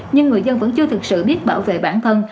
nhưng người dân vẫn chưa thực sự biết bảo vệ bản thân